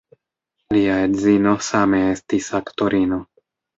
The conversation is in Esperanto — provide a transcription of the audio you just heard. Lia edzino same estis aktorino.